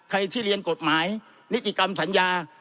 ใครที่เรียนกฎหมายนิติกรรมสัญญา